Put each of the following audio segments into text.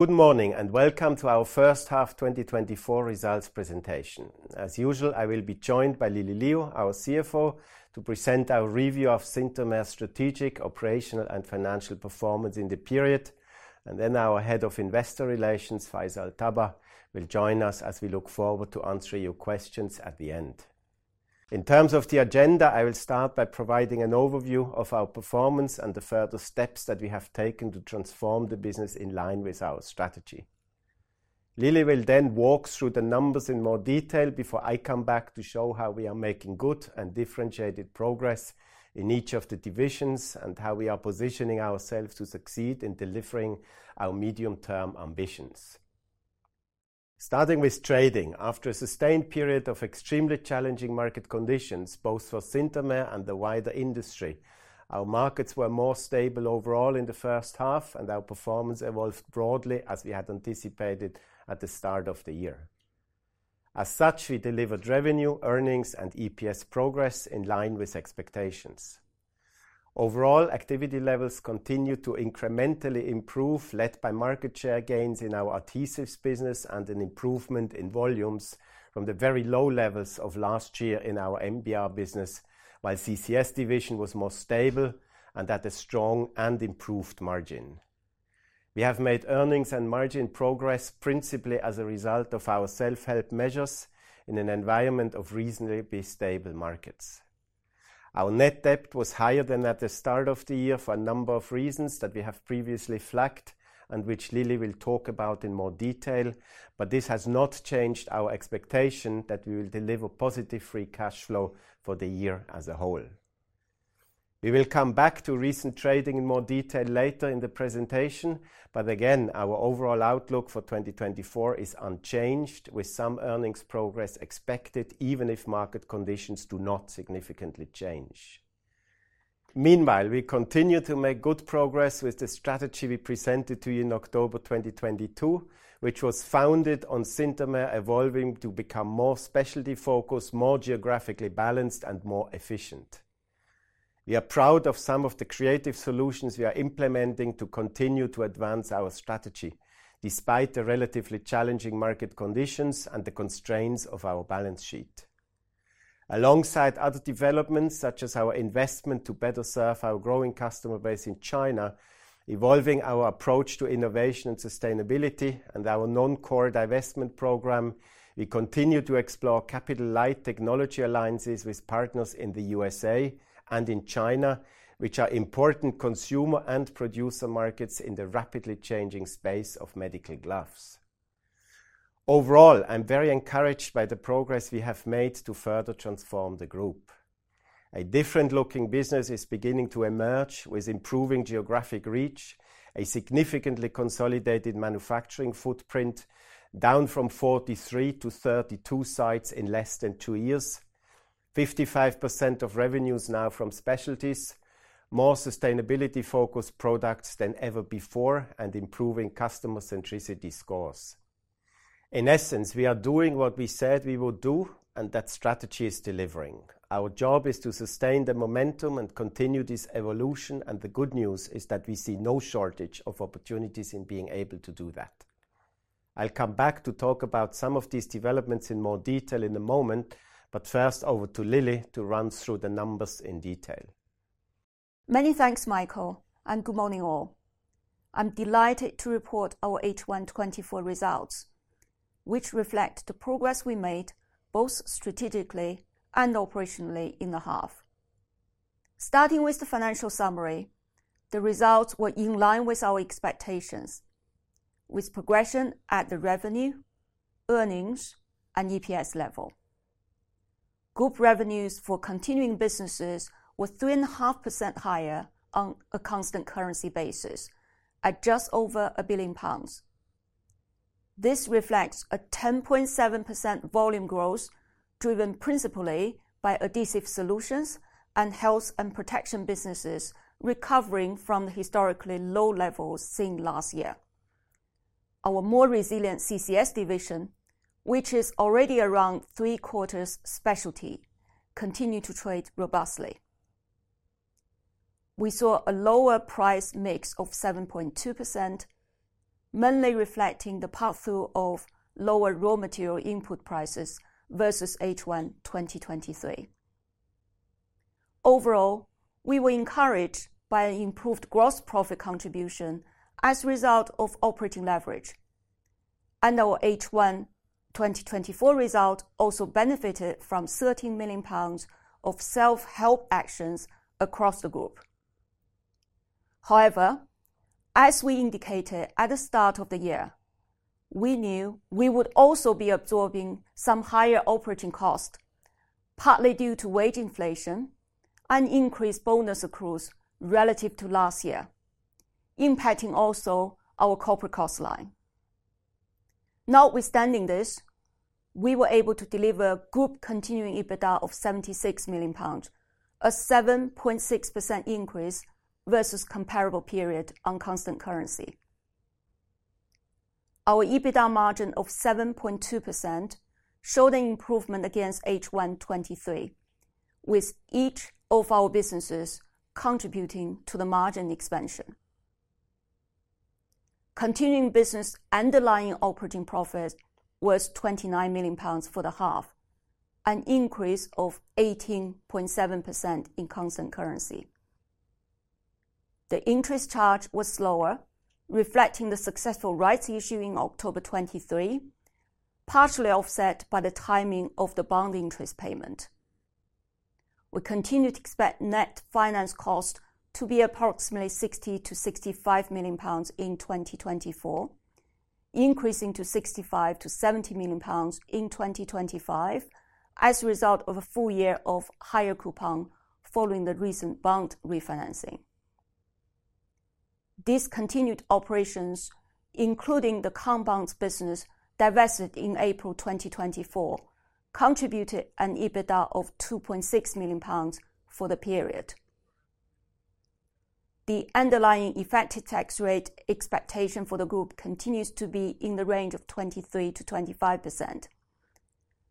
Good morning, and welcome to our first half 2024 results presentation. As usual, I will be joined by Lily Liu, our CFO, to present our review of Synthomer's strategic, operational, and financial performance in the period. Then our Head of Investor Relations, Faisal Tabbah, will join us as we look forward to answering your questions at the end. In terms of the agenda, I will start by providing an overview of our performance and the further steps that we have taken to transform the business in line with our strategy. Lily will then walk through the numbers in more detail before I come back to show how we are making good and differentiated progress in each of the divisions, and how we are positioning ourselves to succeed in delivering our medium-term ambitions. Starting with trading, after a sustained period of extremely challenging market conditions, both for Synthomer and the wider industry, our markets were more stable overall in the first half, and our performance evolved broadly as we had anticipated at the start of the year. As such, we delivered revenue, earnings, and EPS progress in line with expectations. Overall, activity levels continued to incrementally improve, led by market share gains in our adhesives business and an improvement in volumes from the very low levels of last year in our NBR business, while CCS division was more stable and at a strong and improved margin. We have made earnings and margin progress principally as a result of our self-help measures in an environment of reasonably stable markets. Our net debt was higher than at the start of the year for a number of reasons that we have previously flagged, and which Lily will talk about in more detail, but this has not changed our expectation that we will deliver positive free cash flow for the year as a whole. We will come back to recent trading in more detail later in the presentation, but again, our overall outlook for 2024 is unchanged, with some earnings progress expected, even if market conditions do not significantly change. Meanwhile, we continue to make good progress with the strategy we presented to you in October 2022, which was founded on Synthomer evolving to become more specialty-focused, more geographically balanced, and more efficient. We are proud of some of the creative solutions we are implementing to continue to advance our strategy, despite the relatively challenging market conditions and the constraints of our balance sheet. Alongside other developments, such as our investment to better serve our growing customer base in China, evolving our approach to innovation and sustainability, and our non-core divestment program, we continue to explore capital-light technology alliances with partners in the USA and in China, which are important consumer and producer markets in the rapidly changing space of medical gloves. Overall, I'm very encouraged by the progress we have made to further transform the group. A different-looking business is beginning to emerge, with improving geographic reach, a significantly consolidated manufacturing footprint, down from 43 to 32 sites in less than 2 years, 55% of revenues now from specialties, more sustainability-focused products than ever before, and improving customer centricity scores. In essence, we are doing what we said we would do, and that strategy is delivering. Our job is to sustain the momentum and continue this evolution, and the good news is that we see no shortage of opportunities in being able to do that. I'll come back to talk about some of these developments in more detail in a moment, but first, over to Lily to run through the numbers in detail. Many thanks, Michael, and good morning, all. I'm delighted to report our H1 2024 results, which reflect the progress we made, both strategically and operationally in the half. Starting with the financial summary, the results were in line with our expectations, with progression at the revenue, earnings, and EPS level. Group revenues for continuing businesses were 3.5% higher on a constant currency basis, at just over 1 billion pounds. This reflects a 10.7% volume growth, driven principally by Adhesive Solutions and Health and Protection businesses recovering from the historically low levels seen last year. Our more resilient CCS division, which is already around three-quarters specialty, continued to trade robustly. We saw a lower price mix of 7.2%, mainly reflecting the pass-through of lower raw material input prices versus H1 2023. Overall, we were encouraged by an improved gross profit contribution as a result of operating leverage, and our H1 2024 result also benefited from 13 million pounds of self-help actions across the group. However, as we indicated at the start of the year, we knew we would also be absorbing some higher operating costs, partly due to wage inflation and increased bonus accruals relative to last year, impacting also our corporate cost line. Notwithstanding this, we were able to deliver group continuing EBITDA of 76 million pounds, a 7.6% increase versus comparable period on constant currency. Our EBITDA margin of 7.2% showed an improvement against H1 2023, with each of our businesses contributing to the margin expansion. Continuing business underlying operating profit was 29 million pounds for the half, an increase of 18.7% in constant currency. The interest charge was lower, reflecting the successful rights issue in October 2023, partially offset by the timing of the bond interest payment. We continue to expect net finance cost to be approximately 60-65 million pounds in 2024, increasing to 65-70 million pounds in 2025 as a result of a full year of higher coupon following the recent bond refinancing. Discontinued operations, including the compounds business divested in April 2024, contributed an EBITDA of 2.6 million pounds for the period. The underlying effective tax rate expectation for the group continues to be in the range of 23%-25%.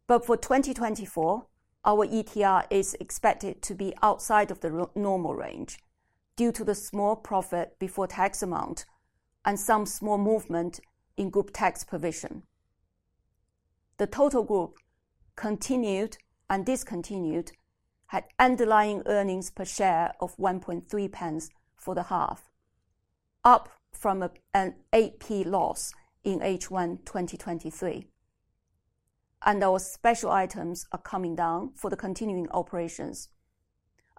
But for 2024, our ETR is expected to be outside of the normal range due to the small profit before tax amount and some small movement in group tax provision. The total group, continued and discontinued, had underlying earnings per share of 1.3 pence for the half, up from an EPS loss in H1 2023. Our special items are coming down for the continuing operations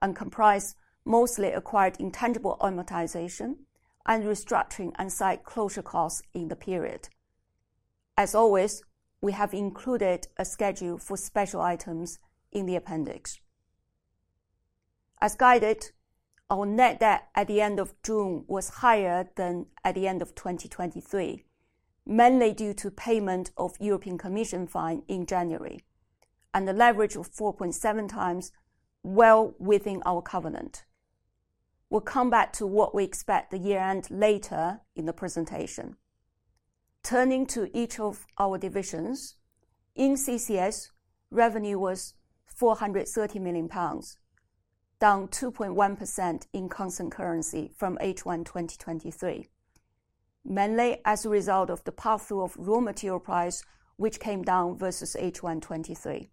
and comprise mostly acquired intangible amortization and restructuring and site closure costs in the period. As always, we have included a schedule for special items in the appendix. As guided, our net debt at the end of June was higher than at the end of 2023, mainly due to payment of European Commission fine in January, and a leverage of 4.7 times, well within our covenant. We'll come back to what we expect the year-end later in the presentation. Turning to each of our divisions. In CCS, revenue was 430 million pounds, down 2.1% in constant currency from H1 2023, mainly as a result of the pass-through of raw material price, which came down versus H1 2023.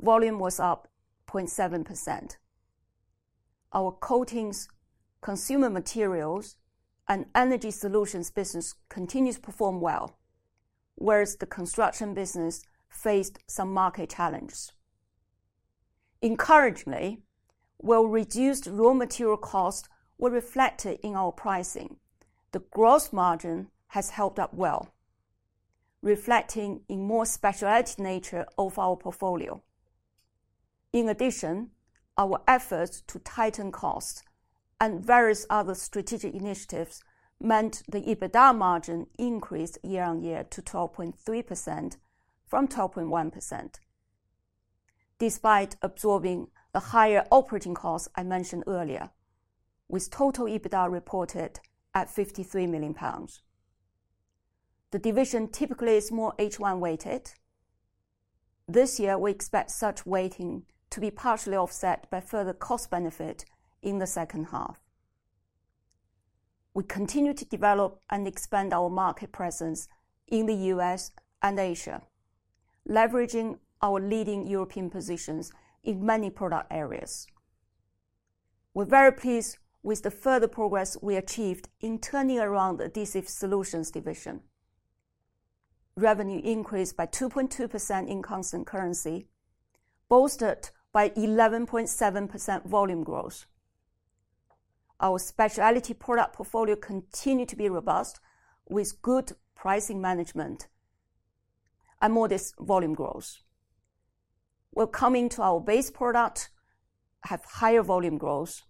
Volume was up 0.7%. Our coatings, consumer materials, and energy solutions business continues to perform well, whereas the construction business faced some market challenges. Encouragingly, while reduced raw material costs were reflected in our pricing, the gross margin has held up well, reflecting a more specialty nature of our portfolio. In addition, our efforts to tighten costs and various other strategic initiatives meant the EBITDA margin increased year-on-year to 12.3% from 12.1%, despite absorbing the higher operating costs I mentioned earlier, with total EBITDA reported at 53 million pounds. The division typically is more H1 weighted. This year, we expect such weighting to be partially offset by further cost benefit in the second half. We continue to develop and expand our market presence in the U.S. and Asia, leveraging our leading European positions in many product areas. We're very pleased with the further progress we achieved in turning around the Adhesive Solutions division. Revenue increased by 2.2% in constant currency, bolstered by 11.7% volume growth. Our specialty product portfolio continued to be robust, with good pricing management and modest volume growth. While coming to our base product, have higher volume growth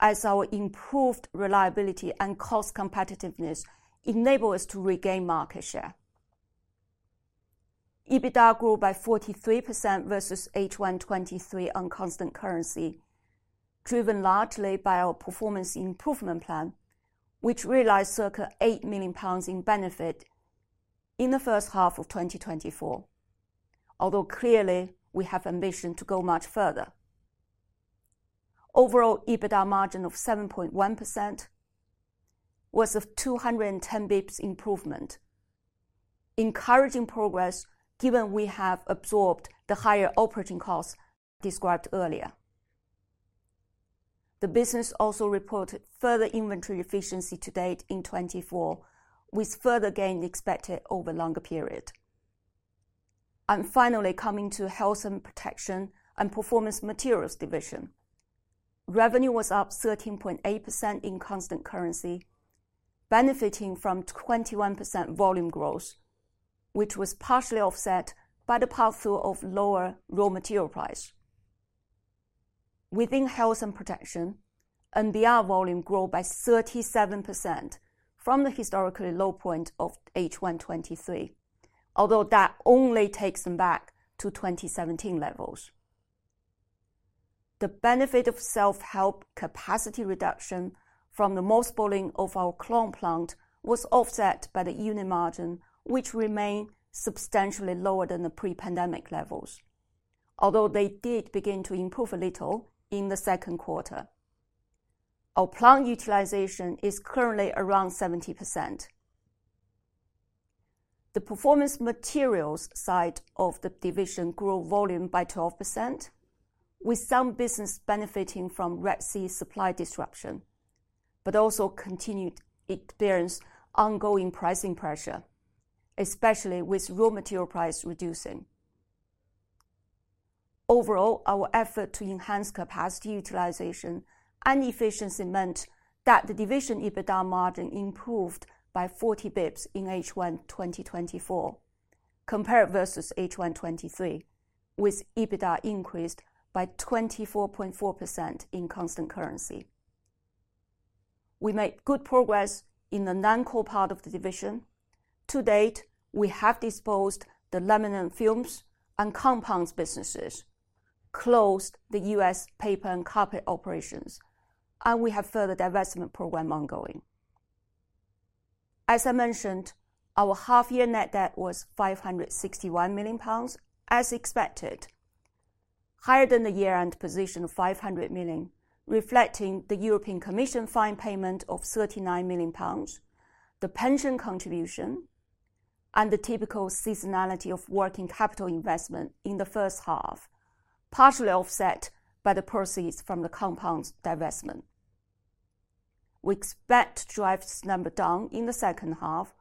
as our improved reliability and cost competitiveness enable us to regain market share. EBITDA grew by 43% versus H1 2023 on constant currency, driven largely by our performance improvement plan, which realized circa 8 million pounds in benefit in the first half of 2024, although clearly, we have ambition to go much further. Overall, EBITDA margin of 7.1% was a 210 BPS improvement. Encouraging progress, given we have absorbed the higher operating costs described earlier. The business also reported further inventory efficiency to date in 2024, with further gains expected over longer period. And finally, coming to Health and Protection and Performance Materials division. Revenue was up 13.8% in constant currency, benefiting from 21% volume growth, which was partially offset by the pass-through of lower raw material price. Within Health & Protection, NBR volume grew by 37% from the historically low point of H1 2023, although that only takes them back to 2017 levels. The benefit of self-help capacity reduction from the mothballing of our Kluang plant was offset by the unit margin, which remain substantially lower than the pre-pandemic levels, although they did begin to improve a little in the second quarter. Our plant utilization is currently around 70%. The performance materials side of the division grew volume by 12%, with some business benefiting from Red Sea supply disruption, but also continued experience ongoing pricing pressure, especially with raw material price reducing. Overall, our effort to enhance capacity utilization and efficiency meant that the division EBITDA margin improved by 40 basis points in H1 2024, compared versus H1 2023, with EBITDA increased by 24.4% in constant currency. We made good progress in the non-core part of the division. To date, we have disposed the laminate films and compounds businesses, closed the U.S. paper and carpet operations, and we have further divestment program ongoing. As I mentioned, our half-year net debt was 561 million pounds, as expected, higher than the year-end position of 500 million, reflecting the European Commission fine payment of 39 million pounds, the pension contribution, and the typical seasonality of working capital investment in the first half, partially offset by the proceeds from the compounds divestment. We expect to drive this number down in the second half,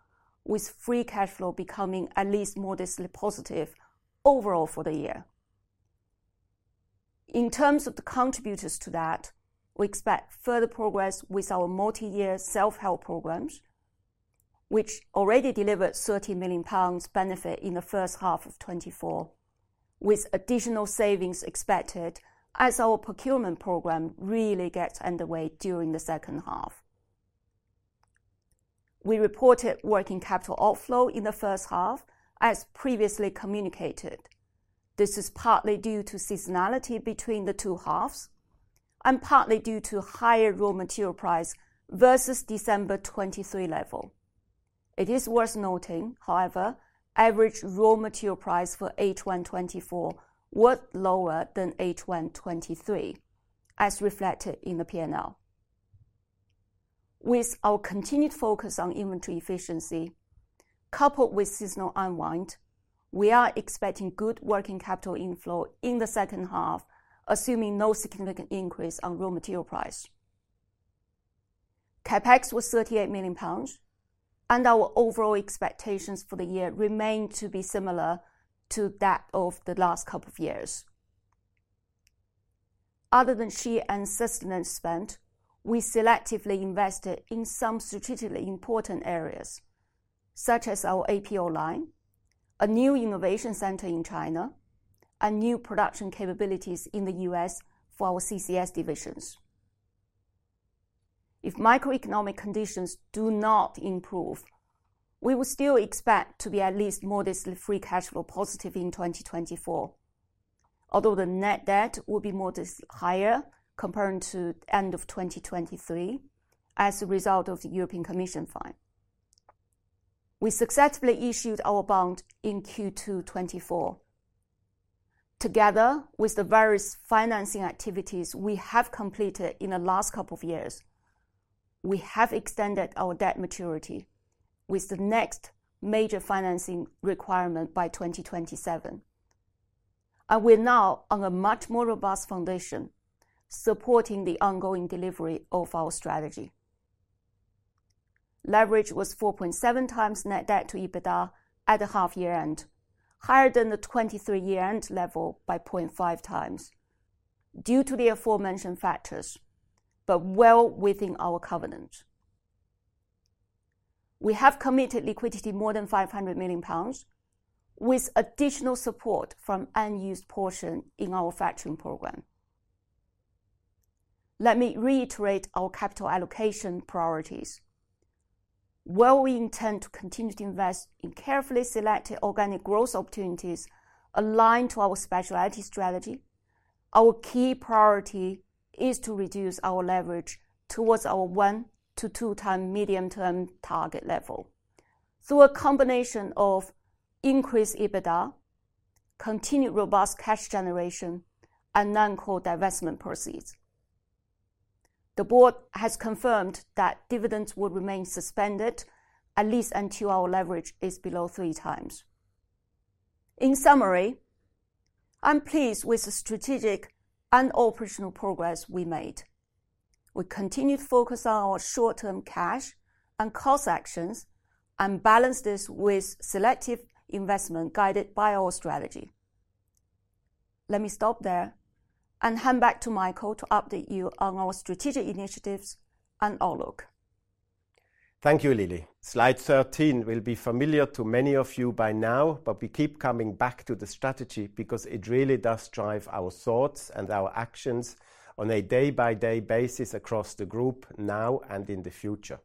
with free cash flow becoming at least modestly positive overall for the year. In terms of the contributors to that, we expect further progress with our multi-year self-help programs, which already delivered 30 million pounds benefit in the first half of 2024, with additional savings expected as our procurement program really gets underway during the second half. We reported working capital outflow in the first half, as previously communicated. This is partly due to seasonality between the two halves and partly due to higher raw material price versus December 2023 level. It is worth noting, however, average raw material price for H1 2024 was lower than H1 2023, as reflected in the P&L. With our continued focus on inventory efficiency, coupled with seasonal unwind, we are expecting good working capital inflow in the second half, assuming no significant increase on raw material price. CapEx was 38 million pounds, and our overall expectations for the year remain to be similar to that of the last couple of years. Other than SHE and sustenance spend, we selectively invested in some strategically important areas, such as our APO line, a new innovation center in China, and new production capabilities in the U.S. for our CCS divisions. If microeconomic conditions do not improve, we will still expect to be at least modestly free cash flow positive in 2024, although the net debt will be modestly higher compared to end of 2023 as a result of the European Commission fine. We successfully issued our bond in Q2 2024. Together with the various financing activities we have completed in the last couple of years, we have extended our debt maturity with the next major financing requirement by 2027. We're now on a much more robust foundation, supporting the ongoing delivery of our strategy. Leverage was 4.7 times net debt to EBITDA at the half-year end, higher than the 2023 year-end level by 0.5 times due to the aforementioned factors, but well within our covenant. We have committed liquidity more than 500 million pounds, with additional support from unused portion in our factoring program. Let me reiterate our capital allocation priorities. While we intend to continue to invest in carefully selected organic growth opportunities aligned to our specialty strategy, our key priority is to reduce our leverage towards our 1-2 times medium-term target level through a combination of increased EBITDA, continued robust cash generation, and non-core divestment proceeds. The board has confirmed that dividends will remain suspended at least until our leverage is below 3 times. In summary, I'm pleased with the strategic and operational progress we made. We continue to focus on our short-term cash and cost actions, and balance this with selective investment guided by our strategy. Let me stop there and hand back to Michael to update you on our strategic initiatives and outlook. Thank you, Lily. Slide 13 will be familiar to many of you by now, but we keep coming back to the strategy because it really does drive our thoughts and our actions on a day-by-day basis across the group now and in the future....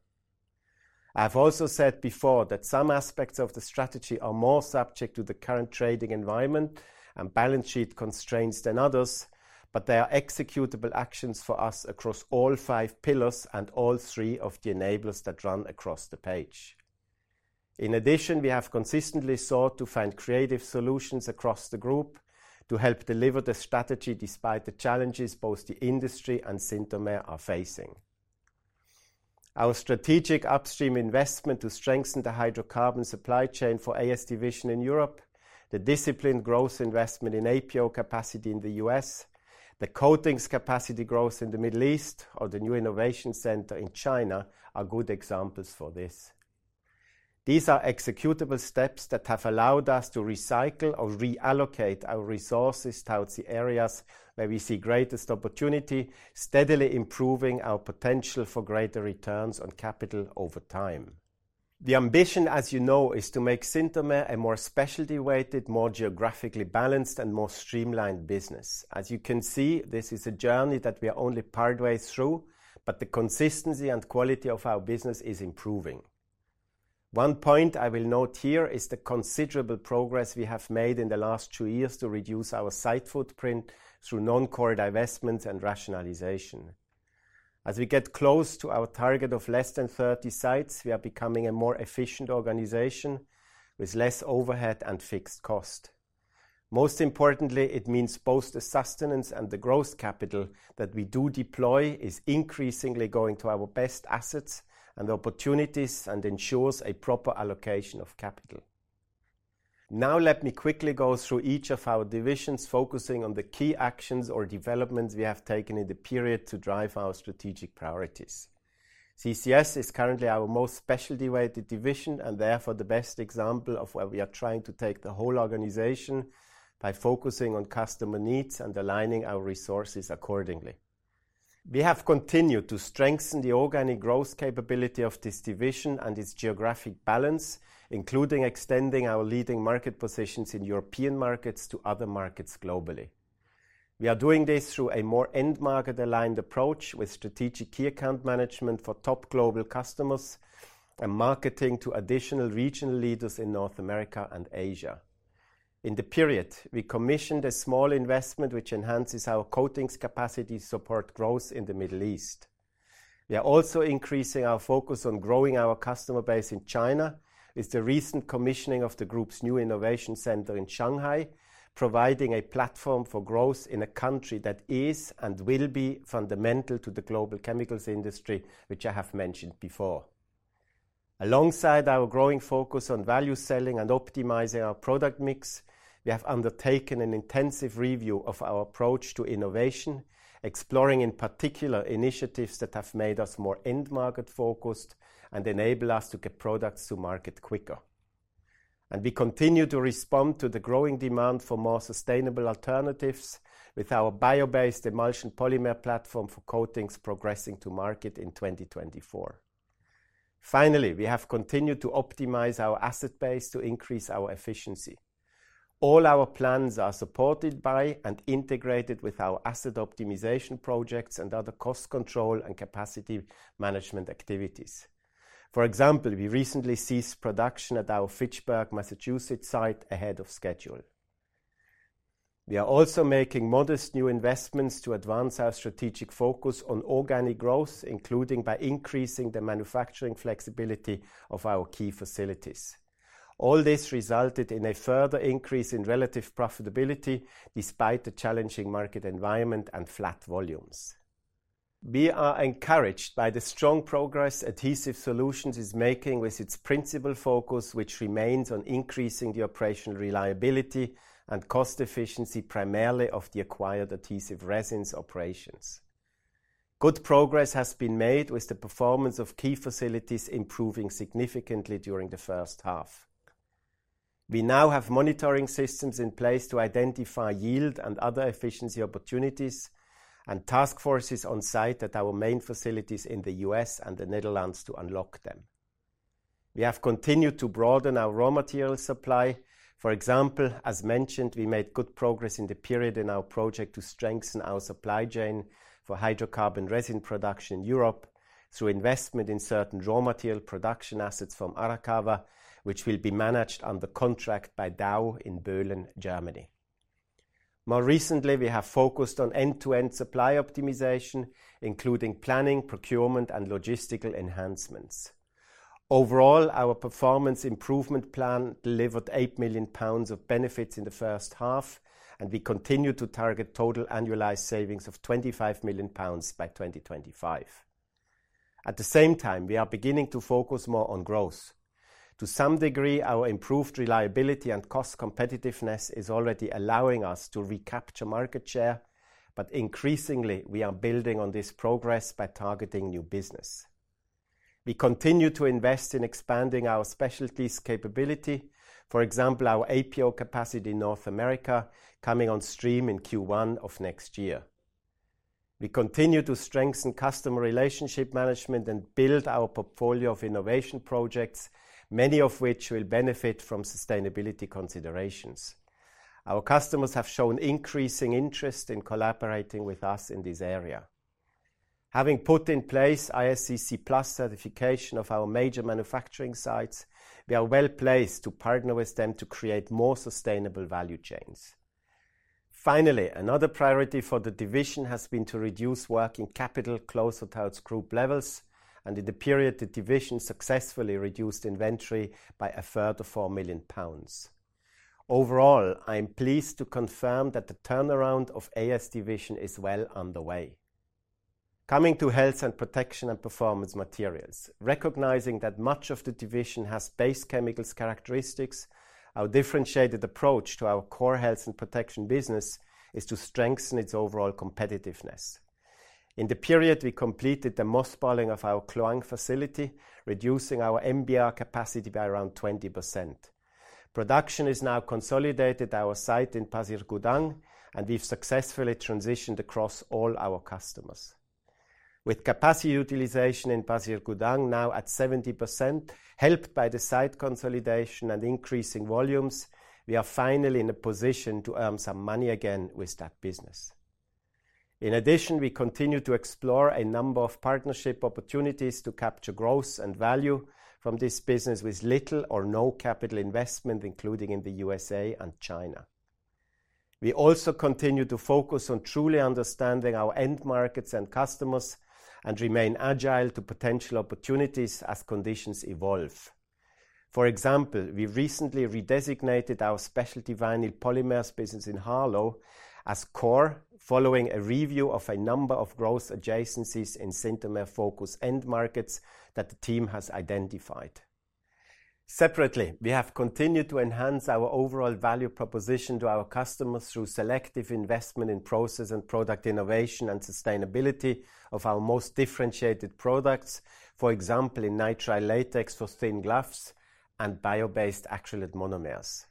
I have also said before that some aspects of the strategy are more subject to the current trading environment and balance sheet constraints than others, but they are executable actions for us across all five pillars and all three of the enablers that run across the page. In addition, we have consistently sought to find creative solutions across the group to help deliver the strategy despite the challenges both the industry and Synthomer are facing. Our strategic upstream investment to strengthen the hydrocarbon supply chain for AS division in Europe, the disciplined growth investment in APO capacity in the U.S., the coatings capacity growth in the Middle East, or the new innovation center in China, are good examples for this. These are executable steps that have allowed us to recycle or reallocate our resources towards the areas where we see greatest opportunity, steadily improving our potential for greater returns on capital over time. The ambition, as you know, is to make Synthomer a more specialty-weighted, more geographically balanced, and more streamlined business. As you can see, this is a journey that we are only partway through, but the consistency and quality of our business is improving. One point I will note here is the considerable progress we have made in the last two years to reduce our site footprint through non-core divestments and rationalization. As we get close to our target of less than 30 sites, we are becoming a more efficient organization with less overhead and fixed cost. Most importantly, it means both the sustenance and the growth capital that we do deploy is increasingly going to our best assets and opportunities and ensures a proper allocation of capital. Now let me quickly go through each of our divisions, focusing on the key actions or developments we have taken in the period to drive our strategic priorities. CCS is currently our most specialty-weighted division, and therefore the best example of where we are trying to take the whole organization by focusing on customer needs and aligning our resources accordingly. We have continued to strengthen the organic growth capability of this division and its geographic balance, including extending our leading market positions in European markets to other markets globally. We are doing this through a more end-market-aligned approach with strategic key account management for top global customers and marketing to additional regional leaders in North America and Asia. In the period, we commissioned a small investment which enhances our coatings capacity to support growth in the Middle East. We are also increasing our focus on growing our customer base in China, with the recent commissioning of the group's new innovation center in Shanghai, providing a platform for growth in a country that is and will be fundamental to the global chemicals industry, which I have mentioned before. Alongside our growing focus on value selling and optimizing our product mix, we have undertaken an intensive review of our approach to innovation, exploring, in particular, initiatives that have made us more end-market focused and enable us to get products to market quicker. We continue to respond to the growing demand for more sustainable alternatives with our bio-based emulsion polymer platform for coatings progressing to market in 2024. Finally, we have continued to optimize our asset base to increase our efficiency. All our plans are supported by and integrated with our asset optimization projects and other cost control and capacity management activities. For example, we recently ceased production at our Fitchburg, Massachusetts, site ahead of schedule. We are also making modest new investments to advance our strategic focus on organic growth, including by increasing the manufacturing flexibility of our key facilities. All this resulted in a further increase in relative profitability despite the challenging market environment and flat volumes. We are encouraged by the strong progress Adhesive Solutions is making with its principal focus, which remains on increasing the operational reliability and cost efficiency, primarily of the acquired adhesive resins operations. Good progress has been made with the performance of key facilities improving significantly during the first half. We now have monitoring systems in place to identify yield and other efficiency opportunities and task forces on site at our main facilities in the U.S. and the Netherlands to unlock them. We have continued to broaden our raw material supply. For example, as mentioned, we made good progress in the period in our project to strengthen our supply chain for hydrocarbon resin production in Europe through investment in certain raw material production assets from Arakawa, which will be managed under contract by Dow in Böhlen, Germany. More recently, we have focused on end-to-end supply optimization, including planning, procurement, and logistical enhancements. Overall, our performance improvement plan delivered 8 million pounds of benefits in the first half, and we continue to target total annualized savings of 25 million pounds by 2025. At the same time, we are beginning to focus more on growth. To some degree, our improved reliability and cost competitiveness is already allowing us to recapture market share, but increasingly we are building on this progress by targeting new business. We continue to invest in expanding our specialties capability, for example, our APO capacity in North America, coming on stream in Q1 of next year. We continue to strengthen customer relationship management and build our portfolio of innovation projects, many of which will benefit from sustainability considerations. Our customers have shown increasing interest in collaborating with us in this area. Having put in place ISCC PLUS certification of our major manufacturing sites, we are well-placed to partner with them to create more sustainable value chains. Finally, another priority for the division has been to reduce working capital closer towards group levels, and in the period, the division successfully reduced inventory by a further 4 million pounds. Overall, I am pleased to confirm that the turnaround of AS division is well underway. Coming to Health and Protection and Performance Materials, recognizing that much of the division has base chemicals characteristics, our differentiated approach to our core Health and Protection business is to strengthen its overall competitiveness. In the period, we completed the mothballing of our Kluang facility, reducing our NBR capacity by around 20%. Production is now consolidated at our site in Pasir Gudang, and we've successfully transitioned across all our customers. With capacity utilization in Pasir Gudang now at 70%, helped by the site consolidation and increasing volumes, we are finally in a position to earn some money again with that business. In addition, we continue to explore a number of partnership opportunities to capture growth and value from this business with little or no capital investment, including in the USA and China. We also continue to focus on truly understanding our end markets and customers and remain agile to potential opportunities as conditions evolve. For example, we recently redesignated our Specialty Vinyl Polymers business in Harlow as core, following a review of a number of growth adjacencies in Synthomer-focused end markets that the team has identified. Separately, we have continued to enhance our overall value proposition to our customers through selective investment in process and product innovation and sustainability of our most differentiated products, for example, in nitrile latex for thin gloves and bio-based acrylate monomers.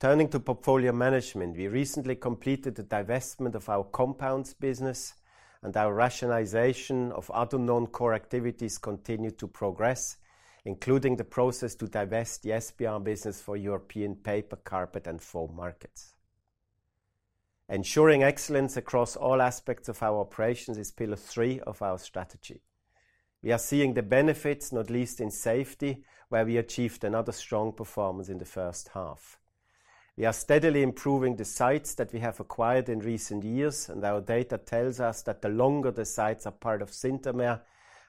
Turning to portfolio management, we recently completed the divestment of our compounds business, and our rationalization of other non-core activities continued to progress, including the process to divest the SBR business for European paper, carpet, and foam markets. Ensuring excellence across all aspects of our operations is pillar three of our strategy. We are seeing the benefits, not least in safety, where we achieved another strong performance in the first half. We are steadily improving the sites that we have acquired in recent years, and our data tells us that the longer the sites are part of Synthomer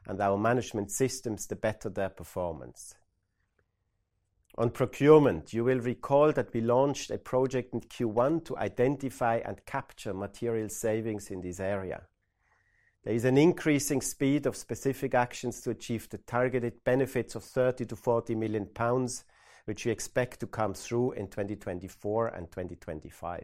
and our management systems, the better their performance. On procurement, you will recall that we launched a project in Q1 to identify and capture material savings in this area. There is an increasing speed of specific actions to achieve the targeted benefits of 30 million-40 million pounds, which we expect to come through in 2024 and 2025.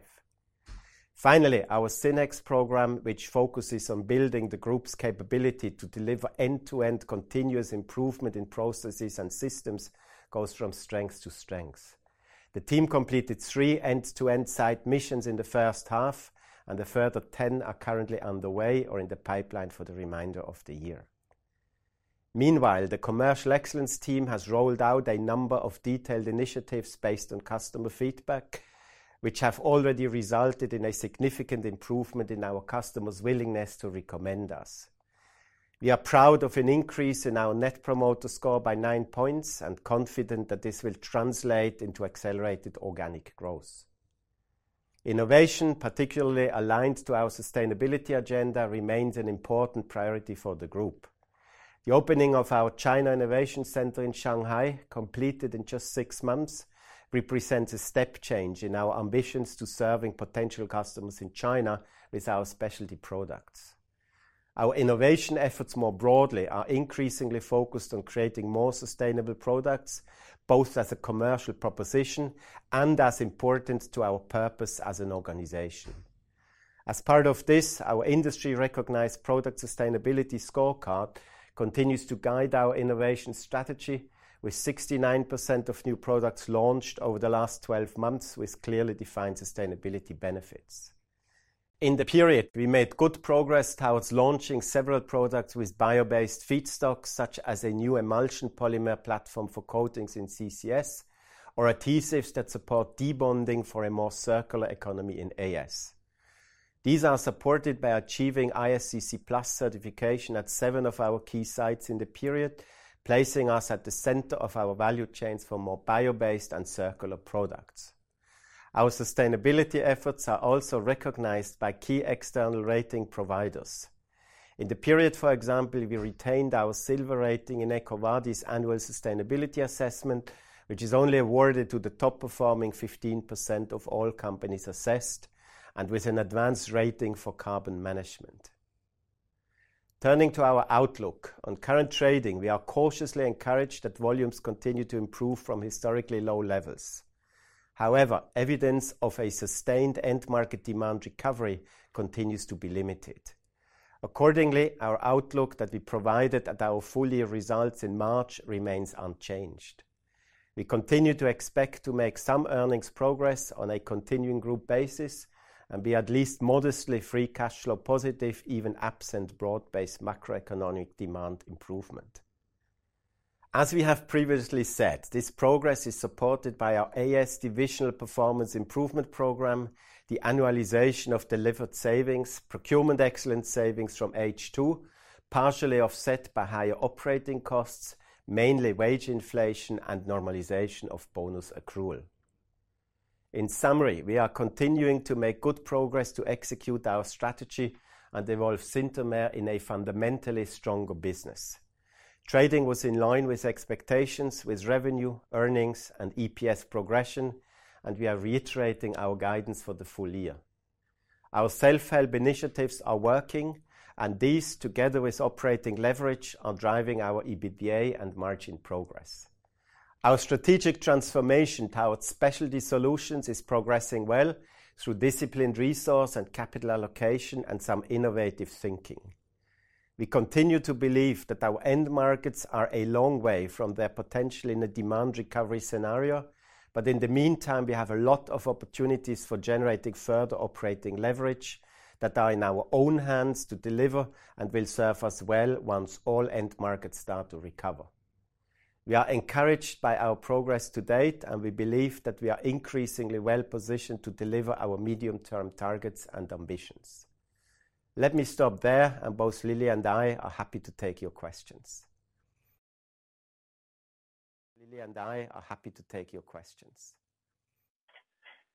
Finally, our SynEx program, which focuses on building the group's capability to deliver end-to-end continuous improvement in processes and systems, goes from strength to strength. The team completed three end-to-end site missions in the first half, and a further 10 are currently underway or in the pipeline for the remainder of the year. Meanwhile, the commercial excellence team has rolled out a number of detailed initiatives based on customer feedback, which have already resulted in a significant improvement in our customers' willingness to recommend us. We are proud of an increase in our Net Promoter Score by nine points and confident that this will translate into accelerated organic growth. Innovation, particularly aligned to our sustainability agenda, remains an important priority for the group. The opening of our China Innovation Center in Shanghai, completed in just six months, represents a step change in our ambitions to serving potential customers in China with our specialty products. Our innovation efforts more broadly are increasingly focused on creating more sustainable products, both as a commercial proposition and as important to our purpose as an organization. As part of this, our industry-recognized product sustainability scorecard continues to guide our innovation strategy, with 69% of new products launched over the last 12 months with clearly defined sustainability benefits. In the period, we made good progress towards launching several products with bio-based feedstocks, such as a new emulsion polymer platform for coatings in CCS or adhesives that support debonding for a more circular economy in AS. These are supported by achieving ISCC PLUS certification at seven of our key sites in the period, placing us at the center of our value chains for more bio-based and circular products. Our sustainability efforts are also recognized by key external rating providers. In the period, for example, we retained our silver rating in EcoVadis' annual sustainability assessment, which is only awarded to the top-performing 15% of all companies assessed and with an advanced rating for carbon management. Turning to our outlook, on current trading, we are cautiously encouraged that volumes continue to improve from historically low levels. However, evidence of a sustained end-market demand recovery continues to be limited. Accordingly, our outlook that we provided at our full year results in March remains unchanged. We continue to expect to make some earnings progress on a continuing group basis and be at least modestly free cash flow positive, even absent broad-based macroeconomic demand improvement. As we have previously said, this progress is supported by our AS divisional performance improvement program, the annualization of delivered savings, procurement excellence savings from H2, partially offset by higher operating costs, mainly wage inflation and normalization of bonus accrual. In summary, we are continuing to make good progress to execute our strategy and evolve Synthomer in a fundamentally stronger business. Trading was in line with expectations, with revenue, earnings, and EPS progression, and we are reiterating our guidance for the full year. Our self-help initiatives are working, and these, together with operating leverage, are driving our EBITDA and margin progress. Our strategic transformation towards specialty solutions is progressing well through disciplined resource and capital allocation and some innovative thinking. We continue to believe that our end markets are a long way from their potential in a demand recovery scenario. But in the meantime, we have a lot of opportunities for generating further operating leverage that are in our own hands to deliver and will serve us well once all end markets start to recover. We are encouraged by our progress to date, and we believe that we are increasingly well positioned to deliver our medium-term targets and ambitions. Let me stop there, and both Lily and I are happy to take your questions. Lily and I are happy to take your questions.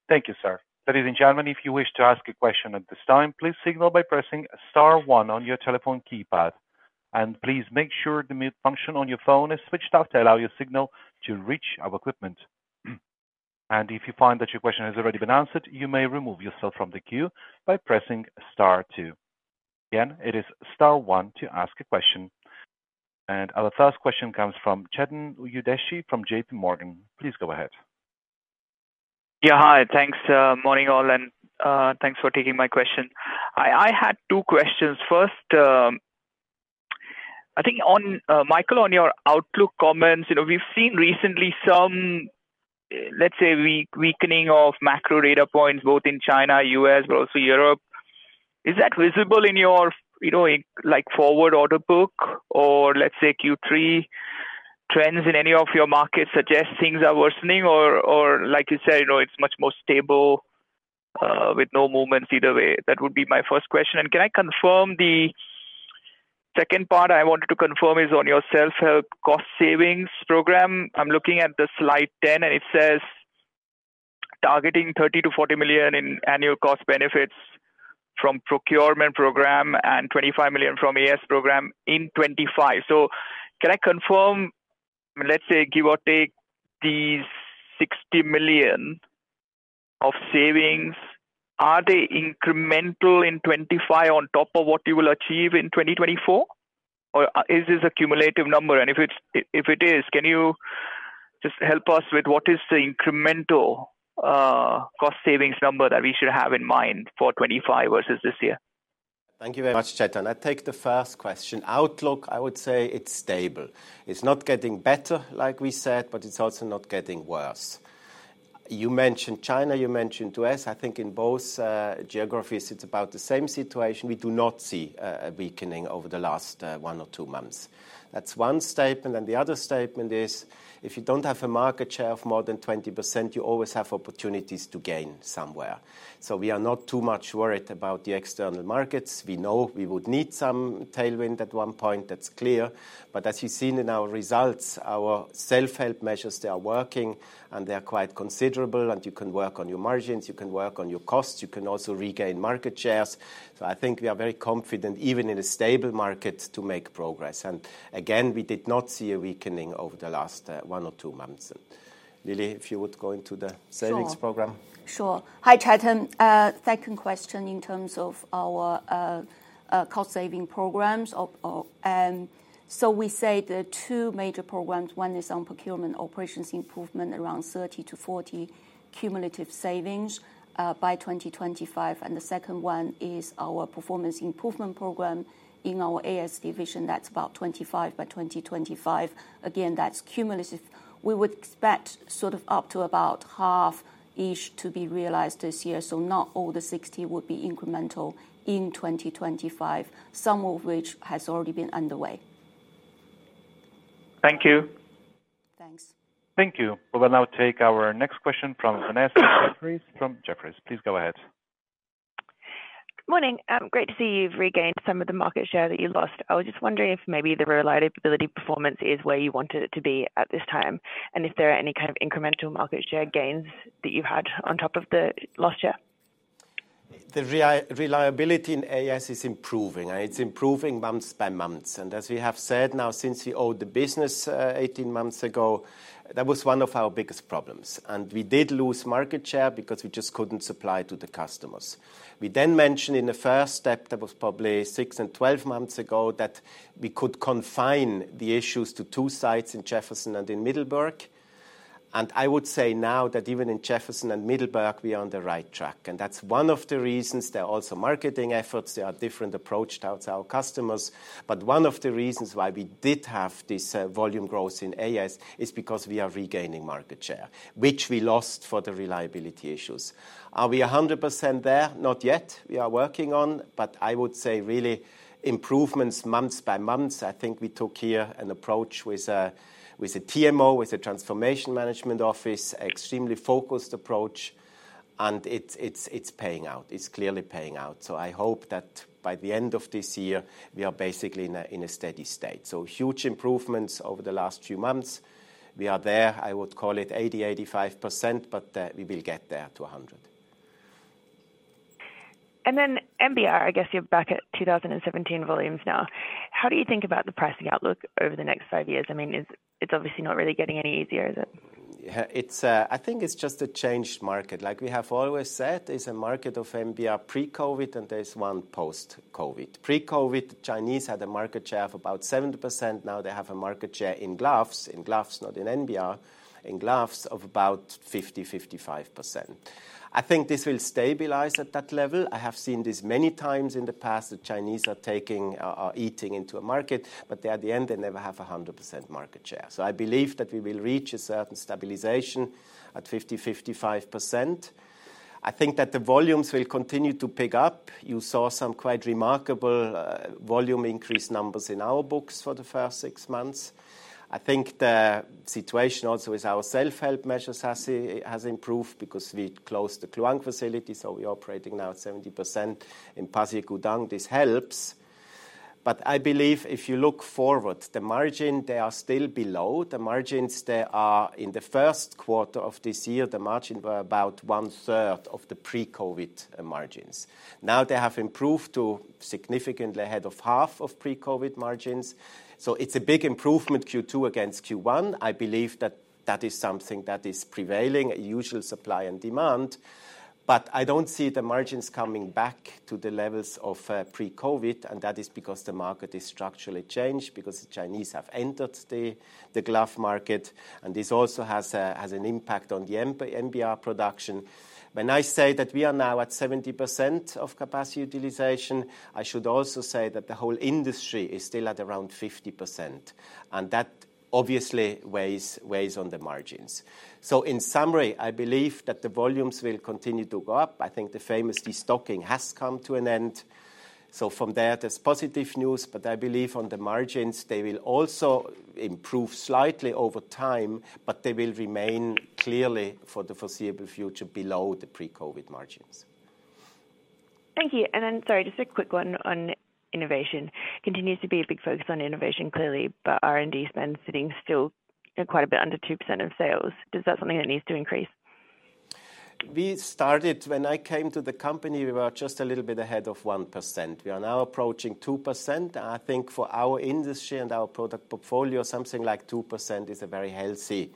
Thank you, sir. Ladies and gentlemen, if you wish to ask a question at this time, please signal by pressing star one on your telephone keypad, and please make sure the mute function on your phone is switched off to allow your signal to reach our equipment. And if you find that your question has already been answered, you may remove yourself from the queue by pressing star two. Again, it is star one to ask a question. Our first question comes from Chetan Udeshi from J.P. Morgan. Please go ahead. Yeah, hi. Thanks, morning, all, and, thanks for taking my question. I had two questions. First, I think on, Michael, on your outlook comments, you know, we've seen recently some, let's say, weakening of macro data points, both in China, US, but also Europe. Is that visible in your, you know, like, forward order book? Or let's say Q3 trends in any of your markets suggest things are worsening, or, like you said, you know, it's much more stable, with no movements either way? That would be my first question. And can I confirm the... Second part I wanted to confirm is on your self-help cost savings program. I'm looking at the slide 10, and it says, "Targeting 30-40 million in annual cost benefits from procurement program and 25 million from AS program in 2025." So can I confirm, let's say, give or take, these 60 million of savings, are they incremental in 2025 on top of what you will achieve in 2024, or is this a cumulative number? And if it's, if it is, can you just help us with what is the incremental, cost savings number that we should have in mind for 2025 versus this year? Thank you very much, Chetan. I take the first question. Outlook, I would say it's stable. It's not getting better, like we said, but it's also not getting worse. You mentioned China, you mentioned U.S. I think in both geographies, it's about the same situation. We do not see a weakening over the last one or two months. That's one statement, and the other statement is, if you don't have a market share of more than 20%, you always have opportunities to gain somewhere. So we are not too much worried about the external markets. We know we would need some tailwind at one point, that's clear. But as you've seen in our results, our self-help measures, they are working, and they are quite considerable. And you can work on your margins, you can work on your costs, you can also regain market shares. I think we are very confident, even in a stable market, to make progress. Again, we did not see a weakening over the last one or two months. Lily, if you would go into the savings program. Sure. Sure. Hi, Chetan. Second question in terms of our cost saving programs. So we say there are two major programs. One is on procurement operations improvement, around 30-40 cumulative savings by 2025, and the second one is our performance improvement program in our AS division. That's about 25 by 2025. Again, that's cumulative. We would expect sort of up to about half-ish to be realized this year, so not all the 60 would be incremental in 2025, some of which has already been underway. Thank you. Thanks. Thank you. We will now take our next question from Vanessa Jeffriess from Jefferies. Please go ahead. Good morning. Great to see you've regained some of the market share that you lost. I was just wondering if maybe the reliability performance is where you want it to be at this time, and if there are any kind of incremental market share gains that you've had on top of the last year? The reliability in AS is improving, and it's improving month by month. As we have said, now, since we owned the business 18 months ago, that was one of our biggest problems. We did lose market share because we just couldn't supply to the customers. We then mentioned in the first step, that was probably 6 and 12 months ago, that we could contain the issues to 2 sites in Jefferson and in Middelburg. I would say now that even in Jefferson and Middelburg, we are on the right track, and that's one of the reasons. There are also marketing efforts. There are different approaches towards our customers. But one of the reasons why we did have this volume growth in AS is because we are regaining market share, which we lost for the reliability issues. Are we 100% there? Not yet. We are working on, but I would say really improvements month by month. I think we took here an approach with a TMO, with a transformation management office, extremely focused approach, and it's paying out. It's clearly paying out. So I hope that by the end of this year, we are basically in a steady state. So huge improvements over the last few months. We are there, I would call it 80, 85%, but we will get there to 100. And then NBR, I guess you're back at 2017 volumes now. How do you think about the pricing outlook over the next five years? I mean, it's obviously not really getting any easier, is it? Yeah. It's, I think it's just a changed market. Like we have always said, it's a market of NBR pre-COVID, and there's one post-COVID. Pre-COVID, Chinese had a market share of about 70%. Now they have a market share in gloves, in gloves, not in NBR, in gloves of about 50%-55%. I think this will stabilize at that level. I have seen this many times in the past, the Chinese are taking or eating into a market, but they, at the end, they never have a 100% market share. So I believe that we will reach a certain stabilization at 50%-55%. I think that the volumes will continue to pick up. You saw some quite remarkable volume increase numbers in our books for the first six months. I think the situation also with our self-help measures has, has improved because we closed the Kluang facility, so we are operating now at 70% in Pasir Gudang. This helps, but I believe if you look forward, the margin, they are still below. The margins, they are... In the first quarter of this year, the margin were about one-third of the pre-COVID margins. Now they have improved to significantly ahead of half of pre-COVID margins. So it's a big improvement, Q2 against Q1. I believe that that is something that is prevailing, usual supply and demand. But I don't see the margins coming back to the levels of pre-COVID, and that is because the market is structurally changed, because the Chinese have entered the glove market, and this also has a, has an impact on the NBR production. When I say that we are now at 70% of capacity utilization, I should also say that the whole industry is still at around 50%, and that obviously weighs, weighs on the margins. So in summary, I believe that the volumes will continue to go up. I think the famous destocking has come to an end. So from there, there's positive news, but I believe on the margins, they will also improve slightly over time, but they will remain clearly, for the foreseeable future, below the pre-COVID margins. Thank you. And then, sorry, just a quick one on innovation. Continues to be a big focus on innovation, clearly, but R&D spend sitting still at quite a bit under 2% of sales. Is that something that needs to increase? When I came to the company, we were just a little bit ahead of 1%. We are now approaching 2%. I think for our industry and our product portfolio, something like 2% is a very healthy,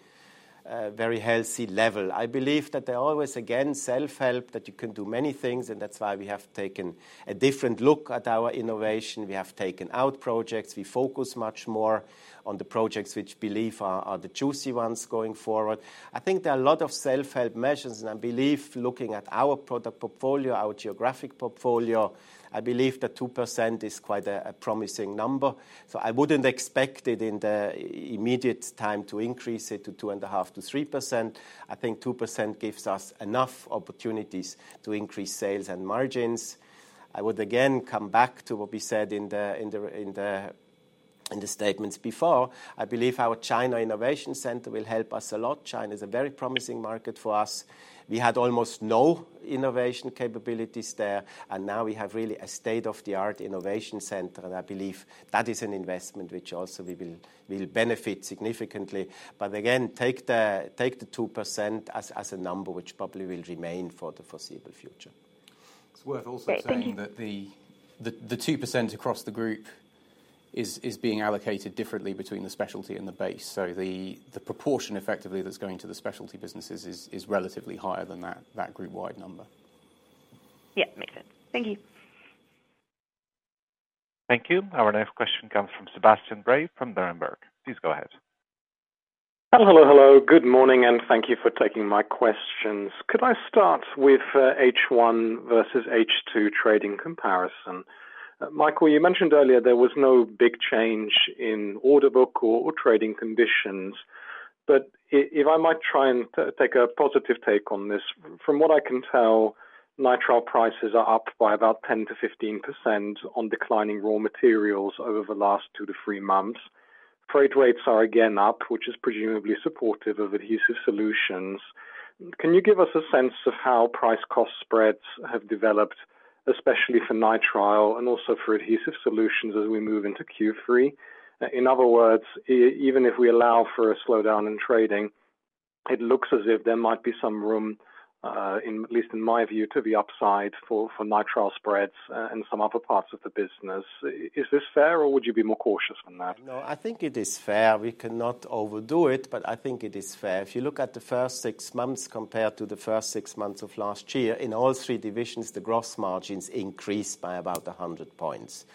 very healthy level. I believe that there are always, again, self-help, that you can do many things, and that's why we have taken a different look at our innovation. We have taken out projects. We focus much more on the projects which believe are the juicy ones going forward. I think there are a lot of self-help measures, and I believe, looking at our product portfolio, our geographic portfolio, I believe that 2% is quite a promising number. So I wouldn't expect it in the immediate time to increase it to 2.5%-3%. I think 2% gives us enough opportunities to increase sales and margins. I would again come back to what we said in the statements before. I believe our China Innovation Center will help us a lot. China is a very promising market for us. We had almost no innovation capabilities there, and now we have really a state-of-the-art innovation center, and I believe that is an investment which also we will benefit significantly. But again, take the 2% as a number which probably will remain for the foreseeable future. It's worth also saying that the- Thank you. The 2% across the group is being allocated differently between the specialty and the base. So the proportion effectively that's going to the specialty businesses is relatively higher than that group-wide number. Yeah, makes sense. Thank you. Thank you. Our next question comes from Sebastian Bray from Berenberg. Please go ahead. Hello, hello. Good morning, and thank you for taking my questions. Could I start with H1 versus H2 trading comparison? Michael, you mentioned earlier there was no big change in order book or trading conditions, but if I might try and take a positive take on this, from what I can tell, nitrile prices are up by about 10%-15% on declining raw materials over the last 2-3 months. Freight rates are again up, which is presumably supportive of Adhesive Solutions. Can you give us a sense of how price cost spreads have developed, especially for nitrile and also for Adhesive Solutions as we move into Q3? In other words, even if we allow for a slowdown in trading, it looks as if there might be some room, in at least in my view, to the upside for nitrile spreads and some other parts of the business. Is this fair or would you be more cautious on that? No, I think it is fair. We cannot overdo it, but I think it is fair. If you look at the first six months compared to the first six months of last year, in all three divisions, the gross margins increased by about 100 points.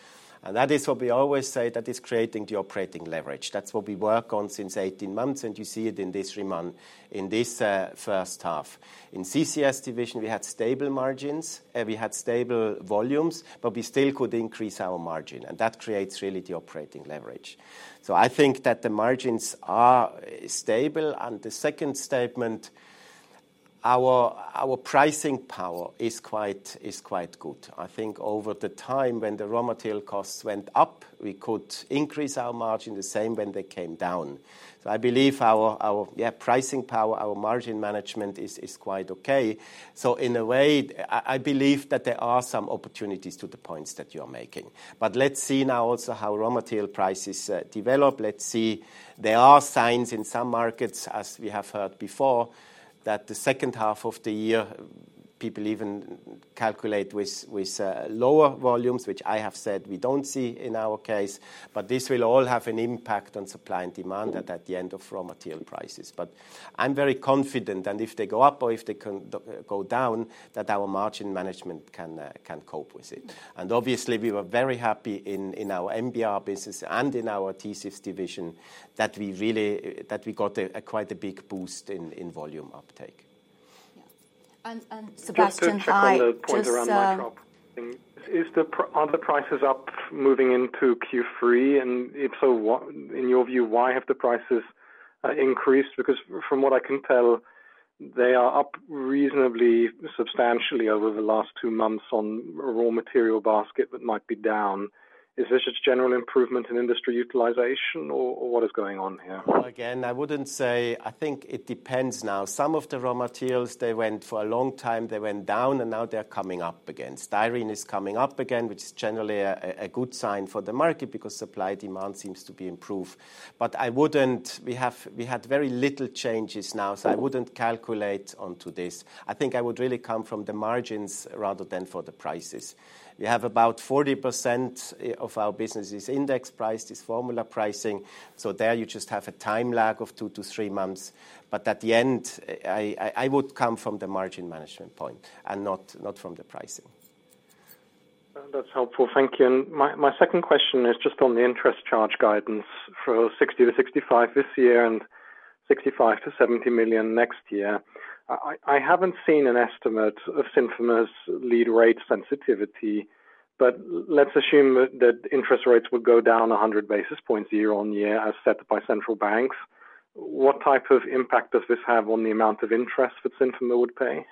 And that is what we always say, that is creating the operating leverage. That's what we work on since 18 months, and you see it in this first half. In CCS division, we had stable margins, we had stable volumes, but we still could increase our margin, and that creates really the operating leverage. So I think that the margins are stable. And the second statement. Our pricing power is quite good. I think over the time when the raw material costs went up, we could increase our margin the same when they came down. So I believe our, yeah, pricing power, our margin management is quite okay. So in a way, I believe that there are some opportunities to the points that you're making. But let's see now also how raw material prices develop. Let's see. There are signs in some markets, as we have heard before, that the second half of the year, people even calculate with with lower volumes, which I have said we don't see in our case, but this will all have an impact on supply and demand, and at the end of raw material prices. But I'm very confident, and if they go up or if they go down, that our margin management can cope with it. And obviously, we were very happy in our NBR business and in our CCS division, that we really got a quite a big boost in volume uptake. Yeah. And Sebastian, I just, Just to check on the point around my drop. Are the prices up moving into Q3? And if so, why have the prices increased? Because from what I can tell, they are up reasonably substantially over the last two months on raw material basket, that might be down. Is this just general improvement in industry utilization or what is going on here? Again, I wouldn't say... I think it depends now. Some of the raw materials, they went for a long time, they went down, and now they're coming up again. Styrene is coming up again, which is generally a good sign for the market because supply-demand seems to be improved. But I wouldn't. We have, we had very little changes now, so I wouldn't calculate onto this. I think I would really come from the margins rather than for the prices. We have about 40% of our business is index price, is formula pricing, so there you just have a time lag of two to three months. But at the end, I would come from the margin management point and not from the pricing. That's helpful. Thank you. My second question is just on the interest charge guidance for 60 million-65 million this year and 65 million-70 million next year. I haven't seen an estimate of Synthomer's interest rate sensitivity, but let's assume that interest rates would go down 100 basis points year on year, as set by central banks. What type of impact does this have on the amount of interest that Synthomer would pay?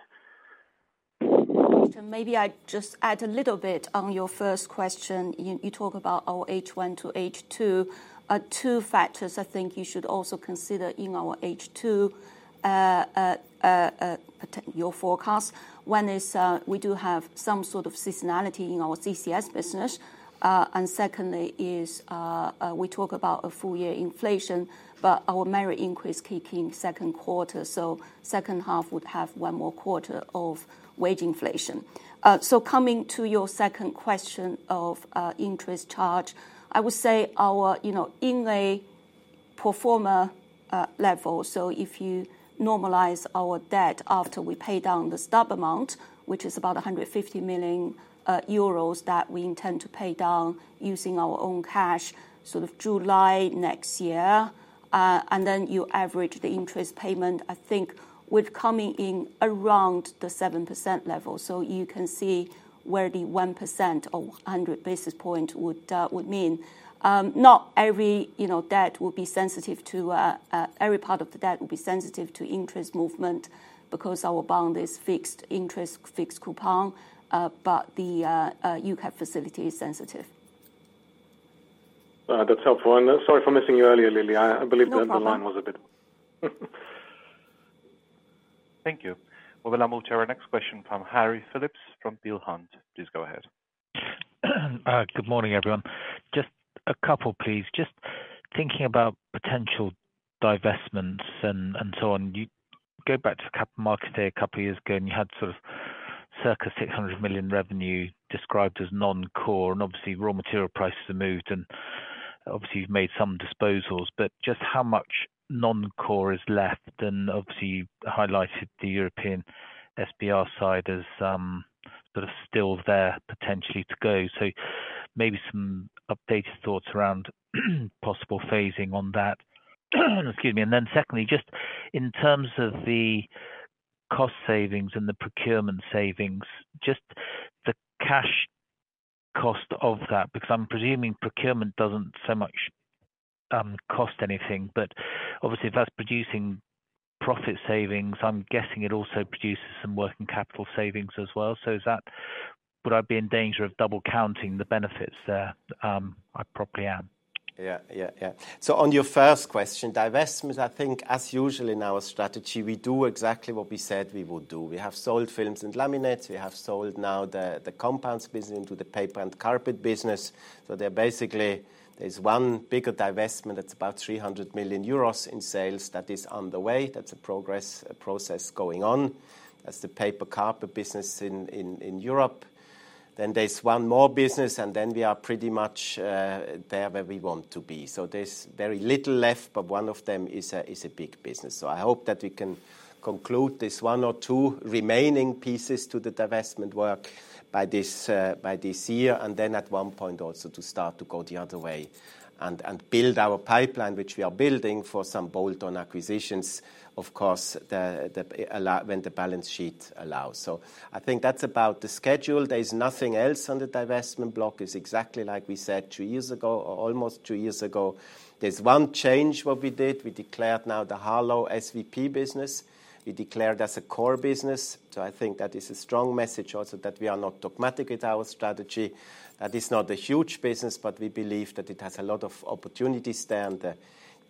So maybe I just add a little bit on your first question. You talk about our H1 to H2. Two factors I think you should also consider in our H2 to protect your forecast. One is we do have some sort of seasonality in our CCS business. And secondly, we talk about a full year inflation, but our merit increase kick in second quarter, so second half would have one more quarter of wage inflation. So coming to your second question of interest charge, I would say our, you know, in a pro forma level, so if you normalize our debt after we pay down the stub amount, which is about 150 million euros, that we intend to pay down using our own cash, sort of July next year, and then you average the interest payment, I think we're coming in around the 7% level. So you can see where the 1% or 100 basis points would mean. Not every, you know, debt will be sensitive to every part of the debt will be sensitive to interest movement because our bond is fixed interest, fixed coupon, but the U.K. facility is sensitive. That's helpful. Sorry for missing you earlier, Lily. No problem. I believe that the line was a bit. Thank you. Well, I'll move to our next question from Harry Phillips, from Peel Hunt. Please go ahead. Good morning, everyone. Just a couple, please. Just thinking about potential divestments and so on. You go back to the Capital Markets Day a couple years ago, and you had sort of circa 600 million revenue described as non-core, and obviously, raw material prices have moved, and obviously, you've made some disposals, but just how much non-core is left? And obviously, you highlighted the European SBR side as sort of still there potentially to go. So maybe some updated thoughts around possible phasing on that. Excuse me. And then secondly, just in terms of the cost savings and the procurement savings, just the cash cost of that, because I'm presuming procurement doesn't so much cost anything, but obviously, if that's producing profit savings, I'm guessing it also produces some working capital savings as well. So is that, would I be in danger of double counting the benefits there? I probably am. Yeah, yeah, yeah. So on your first question, divestments, I think as usually in our strategy, we do exactly what we said we would do. We have sold films and laminates, we have sold now the compounds business to the paper and carpet business. So there basically is one bigger divestment that's about 300 million euros in sales that is on the way. That's a progress, a process going on. That's the paper carpet business in Europe. Then there's one more business, and then we are pretty much there where we want to be. So there's very little left, but one of them is a big business. So I hope that we can conclude this one or two remaining pieces to the divestment work by this, by this year, and then at one point, also to start to go the other way and, and build our pipeline, which we are building for some bolt-on acquisitions, of course, the, the, when the balance sheet allows. So I think that's about the schedule. There is nothing else on the divestment block. It's exactly like we said two years ago, or almost two years ago. There's one change, what we did. We declared now the Harlow VP business. We declared as a core business. So I think that is a strong message also that we are not dogmatic with our strategy. That is not a huge business, but we believe that it has a lot of opportunities there, and the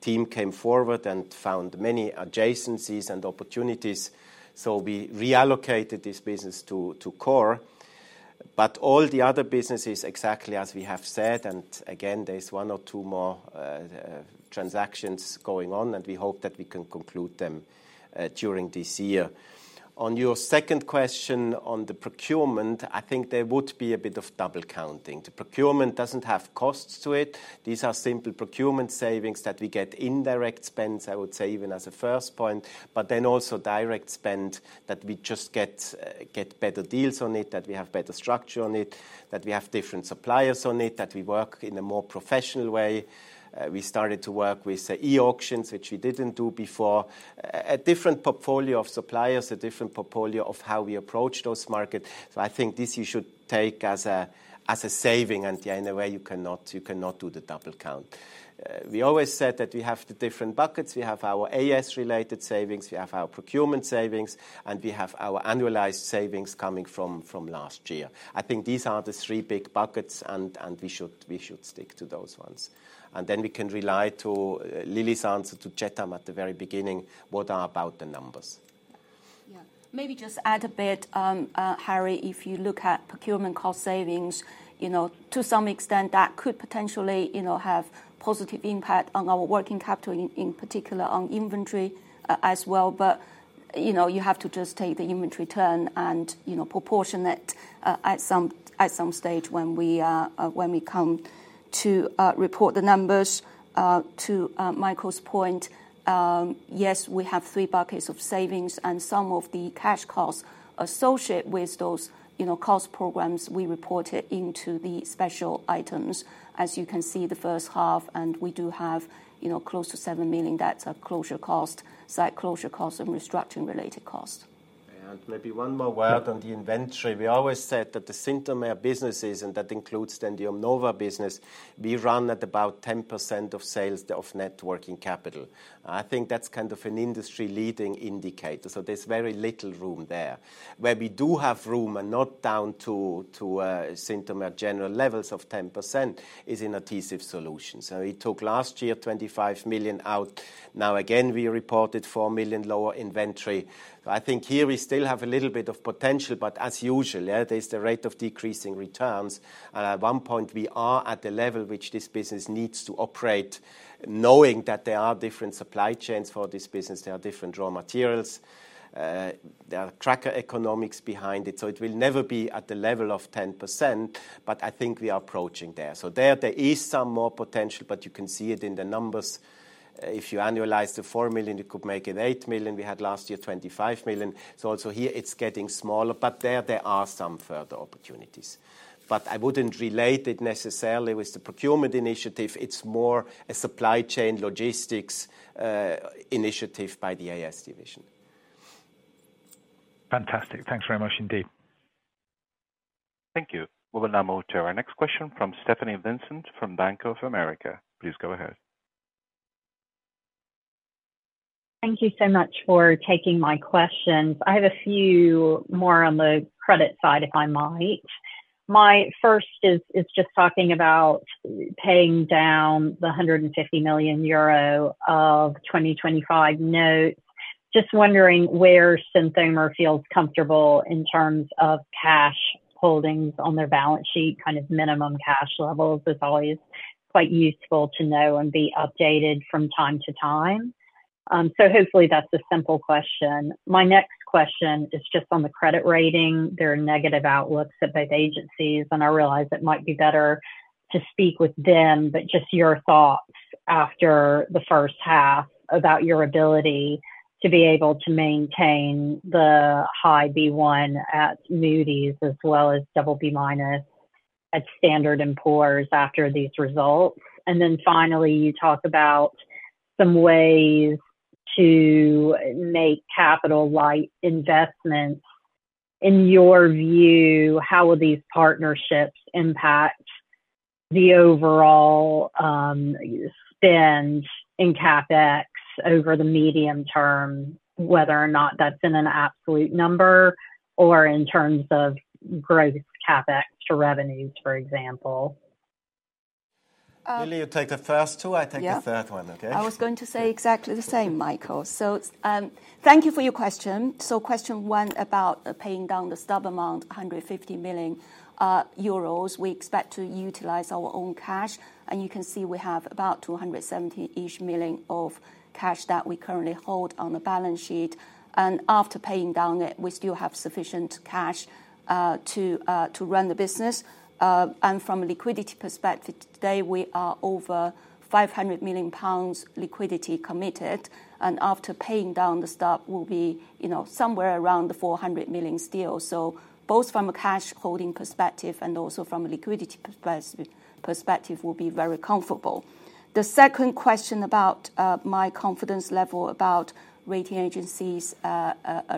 team came forward and found many adjacencies and opportunities. So we reallocated this business to core. But all the other businesses, exactly as we have said, and again, there is one or two more transactions going on, and we hope that we can conclude them during this year. On your second question on the procurement, I think there would be a bit of double counting. The procurement doesn't have costs to it. These are simple procurement savings that we get, indirect spends, I would say, even as a first point, but then also direct spend that we just get better deals on it, that we have better structure on it, that we have different suppliers on it, that we work in a more professional way. We started to work with the e-auctions, which we didn't do before. A different portfolio of suppliers, a different portfolio of how we approach those markets. So I think this you should take as a saving, and in a way you cannot do the double count. We always said that we have the different buckets. We have our AS-related savings, we have our procurement savings, and we have our annualized savings coming from last year. I think these are the three big buckets, and we should stick to those ones. And then we can rely to Lily's answer to Chetan at the very beginning, what are about the numbers? Yeah. Maybe just add a bit, Harry, if you look at procurement cost savings, you know, to some extent, that could potentially, you know, have positive impact on our working capital, in, in particular, on inventory, as well. But, you know, you have to just take the inventory turn and, you know, proportion it, at some, at some stage when we, when we come to, report the numbers. To, Michael's point, yes, we have three buckets of savings, and some of the cash costs associated with those, you know, cost programs we reported into the special items. As you can see, the first half, and we do have, you know, close to 7 million. That's a closure cost, site closure cost and restructuring-related cost. And maybe one more word on the inventory. We always said that the Synthomer businesses, and that includes then the Omnova business, we run at about 10% of sales of net working capital. I think that's kind of an industry leading indicator, so there's very little room there. Where we do have room and not down to Synthomer general levels of 10% is in Adhesive Solutions. So we took last year 25 million out. Now, again, we reported 4 million lower inventory. I think here we still have a little bit of potential, but as usual, yeah, there's the rate of decreasing returns. And at one point, we are at the level which this business needs to operate, knowing that there are different supply chains for this business, there are different raw materials, there are tracker economics behind it. So it will never be at the level of 10%, but I think we are approaching there. So there, there is some more potential, but you can see it in the numbers. If you annualize the 4 million, you could make it 8 million. We had last year, 25 million. So also here, it's getting smaller, but there, there are some further opportunities. But I wouldn't relate it necessarily with the procurement initiative. It's more a supply chain logistics initiative by the AS division. Fantastic. Thanks very much indeed. Thank you. We will now move to our next question from Stephanie Vincent, from Bank of America. Please go ahead. Thank you so much for taking my questions. I have a few more on the credit side, if I might. My first is, is just talking about paying down the 150 million euro of 2025 notes. Just wondering where Synthomer feels comfortable in terms of cash holdings on their balance sheet, kind of minimum cash levels. It's always quite useful to know and be updated from time to time. So hopefully that's a simple question. My next question is just on the credit rating. There are negative outlooks at both agencies, and I realize it might be better to speak with them, but just your thoughts after the first half about your ability to be able to maintain the high B1 at Moody's as well as BB- at Standard & Poor's after these results. And then finally, you talk about some ways to make capital-light investments. In your view, how will these partnerships impact the overall spend in CapEx over the medium term, whether or not that's in an absolute number or in terms of growth CapEx to revenues, for example? Um- Lily, you take the first two, I take the third one, okay? Yeah. I was going to say exactly the same, Michael. So, thank you for your question. So question one, about paying down the stub amount, 150 million euros. We expect to utilize our own cash, and you can see we have about 270-ish million of cash that we currently hold on the balance sheet. And after paying down it, we still have sufficient cash to run the business. And from a liquidity perspective, today, we are over 500 million pounds liquidity committed, and after paying down, the stub will be, you know, somewhere around the 400 million still. So both from a cash holding perspective and also from a liquidity perspective, we'll be very comfortable. The second question about my confidence level about rating agencies,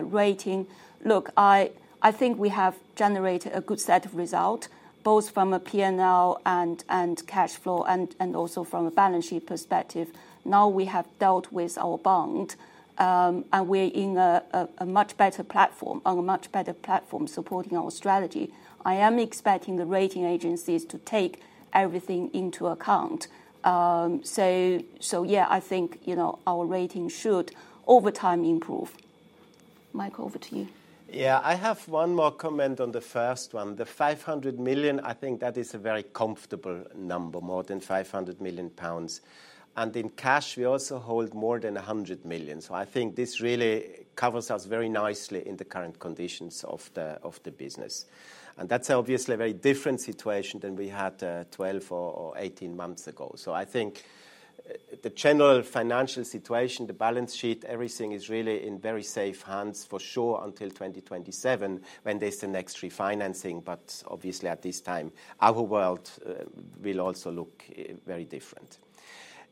rating. Look, I think we have generated a good set of results, both from a PNL and cash flow and also from a balance sheet perspective. Now, we have dealt with our bond, and we're in a much better platform, on a much better platform supporting our strategy. I am expecting the rating agencies to take everything into account. So, yeah, I think, you know, our rating should, over time, improve. Michael, over to you. Yeah, I have one more comment on the first one. The 500 million, I think that is a very comfortable number, more than 500 million pounds. And in cash, we also hold more than 100 million. So I think this really covers us very nicely in the current conditions of the, of the business. And that's obviously a very different situation than we had, 12 or, or 18 months ago. So I think the general financial situation, the balance sheet, everything is really in very safe hands for sure, until 2027, when there's the next refinancing. But obviously at this time, our world, will also look, very different.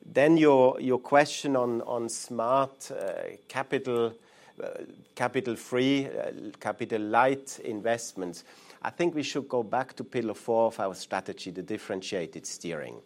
Then your, your question on, on smart, capital, capital-free, capital-light investments. I think we should go back to pillar four of our strategy, the differentiated steering.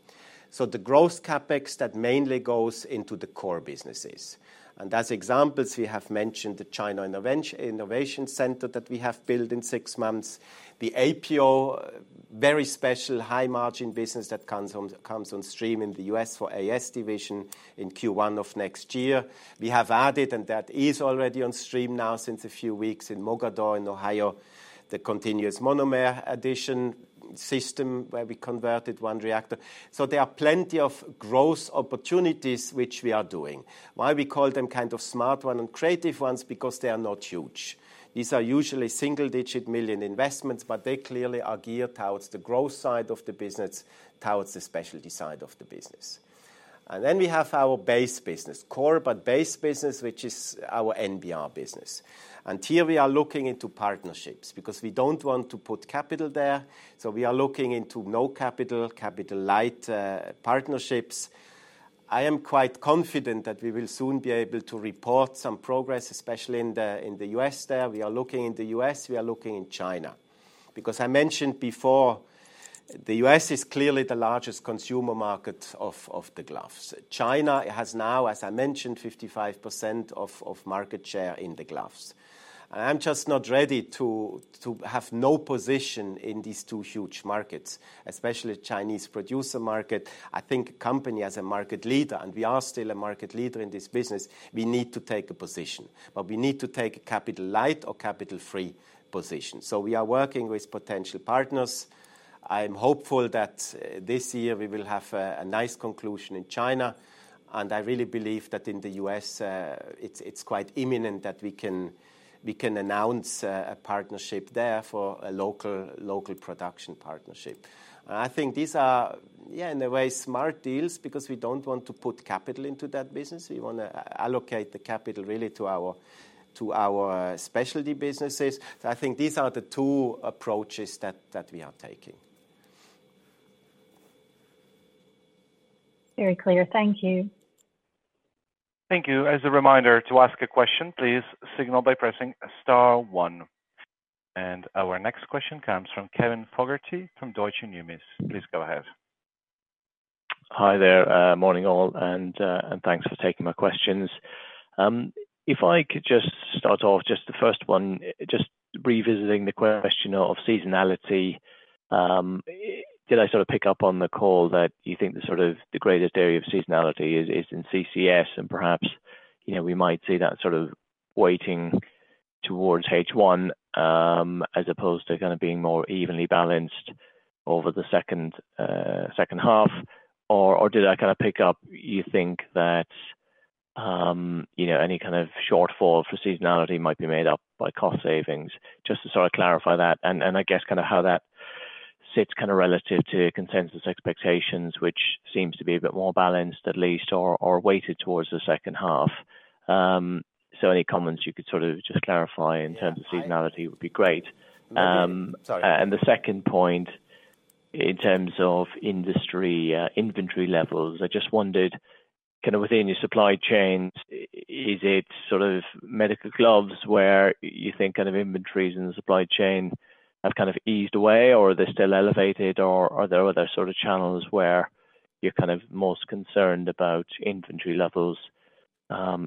So the growth CapEx that mainly goes into the core businesses, and as examples, we have mentioned the China Innovation Center that we have built in six months, the APO, very special high-margin business that comes on, comes on stream in the US for AS division in Q1 of next year. We have added, and that is already on stream now, since a few weeks in Mogadore, in Ohio, the continuous monomer addition system, where we converted one reactor. So there are plenty of growth opportunities which we are doing. Why we call them kind of smart one and creative ones? Because they are not huge. These are usually single-digit million investments, but they clearly are geared towards the growth side of the business, towards the specialty side of the business. And then we have our base business, core, but base business, which is our NBR business. Here we are looking into partnerships because we don't want to put capital there, so we are looking into no capital, capital-light, partnerships. I am quite confident that we will soon be able to report some progress, especially in the U.S. there. We are looking in the U.S., we are looking in China. Because I mentioned before, the U.S. is clearly the largest consumer market of the gloves. China has now, as I mentioned, 55% of market share in the gloves. And I'm just not ready to have no position in these two huge markets, especially Chinese producer market. I think company, as a market leader, and we are still a market leader in this business, we need to take a position, but we need to take a capital-light or capital-free position. So we are working with potential partners. I'm hopeful that this year we will have a nice conclusion in China, and I really believe that in the US, it's quite imminent that we can announce a partnership there for a local production partnership. And I think these are, yeah, in a way, smart deals, because we don't want to put capital into that business. We wanna allocate the capital really to our specialty businesses. So I think these are the two approaches that we are taking. Very clear. Thank you. Thank you. As a reminder, to ask a question, please signal by pressing star one. Our next question comes from Kevin Fogarty, from Deutsche Numis. Please go ahead. Hi there, morning, all, and thanks for taking my questions. If I could just start off, just the first one, just revisiting the question of seasonality. Did I sort of pick up on the call that you think the sort of greatest area of seasonality is in CCS, and perhaps, you know, we might see that sort of weighting towards H1, as opposed to kind of being more evenly balanced over the second half? Or did I kind of pick up you think that, you know, any kind of shortfall for seasonality might be made up by cost savings? Just to sort of clarify that, and I guess kind of how that sits kind of relative to consensus expectations, which seems to be a bit more balanced, at least, or weighted towards the second half. Any comments you could sort of just clarify in terms of seasonality would be great. Sorry. The second point, in terms of industry inventory levels, I just wondered, kind of within your supply chains, is it sort of medical gloves where you think kind of inventories in the supply chain have kind of eased away, or are they still elevated, or are there other sort of channels where you're kind of most concerned about inventory levels,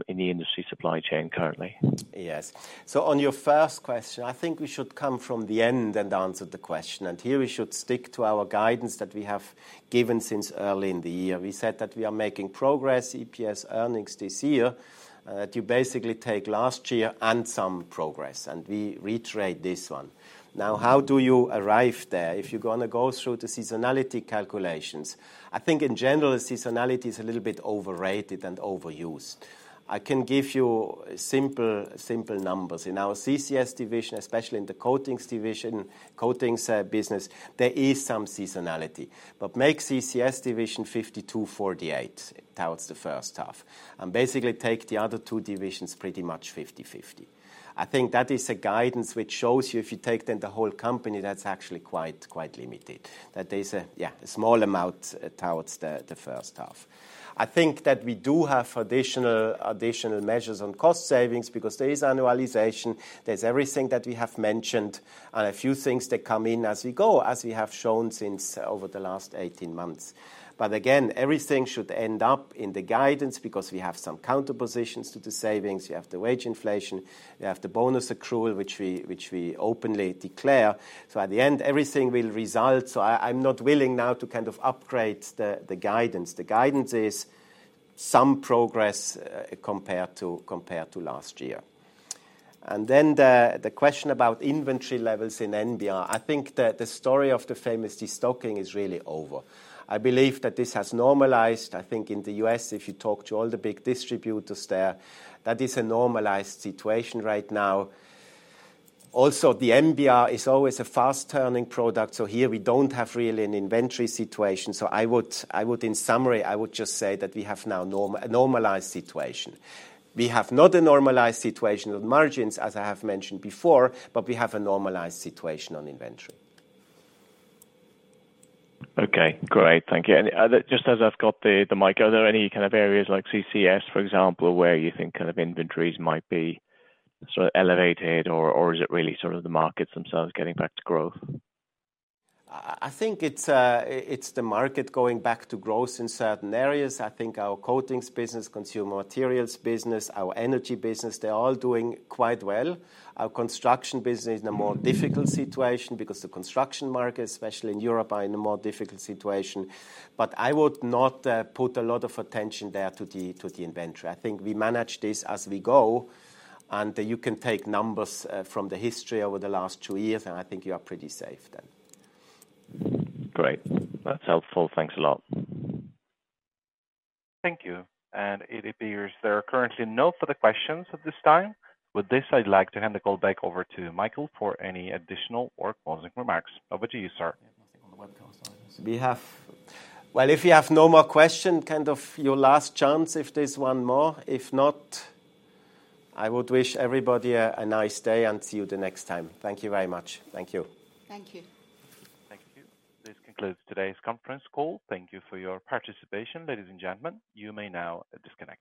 in the industry supply chain currently? Yes. So on your first question, I think we should come from the end and answer the question, and here we should stick to our guidance that we have given since early in the year. We said that we are making progress, EPS earnings this year, that you basically take last year and some progress, and we reiterate this one. Now, how do you arrive there? If you're gonna go through the seasonality calculations, I think in general, seasonality is a little bit overrated and overused. I can give you simple, simple numbers. In our CCS division, especially in the coatings division, coatings business, there is some seasonality, but make CCS division 52-48 towards the first half, and basically take the other two divisions pretty much 50/50. I think that is a guidance which shows you, if you take then the whole company, that's actually quite, quite limited. That there's a, yeah, a small amount towards the first half. I think that we do have additional, additional measures on cost savings because there is annualization. There's everything that we have mentioned and a few things that come in as we go, as we have shown since over the last 18 months. But again, everything should end up in the guidance because we have some counterpositions to the savings, we have the wage inflation, we have the bonus accrual, which we openly declare. So at the end, everything will result. So I, I'm not willing now to kind of upgrade the guidance. The guidance is some progress compared to last year. And then the question about inventory levels in NBR. I think that the story of the famous destocking is really over. I believe that this has normalized. I think in the U.S., if you talk to all the big distributors there, that is a normalized situation right now. Also, the NBR is always a fast-turning product, so here we don't have really an inventory situation. So, in summary, I would just say that we have now a normalized situation. We have not a normalized situation with margins, as I have mentioned before, but we have a normalized situation on inventory. Okay, great. Thank you. And just as I've got the mic, are there any kind of areas like CCS, for example, where you think kind of inventories might be sort of elevated? Or is it really sort of the markets themselves getting back to growth? I think it's, it's the market going back to growth in certain areas. I think our coatings business, consumer materials business, our energy business, they're all doing quite well. Our construction business is in a more difficult situation because the construction market, especially in Europe, are in a more difficult situation. But I would not put a lot of attention there to the, to the inventory. I think we manage this as we go, and you can take numbers from the history over the last two years, and I think you are pretty safe then. Great. That's helpful. Thanks a lot. Thank you. It appears there are currently no further questions at this time. With this, I'd like to hand the call back over to Michael for any additional or closing remarks. Over to you, sir. We have... Well, if you have no more question, kind of your last chance, if there's one more. If not, I would wish everybody a nice day and see you the next time. Thank you very much. Thank you. Thank you. Thank you. This concludes today's conference call. Thank you for your participation. Ladies and gentlemen, you may now disconnect.